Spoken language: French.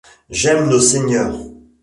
J’aime nos seigneurs.